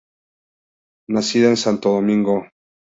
Nacida en Santo Domingo.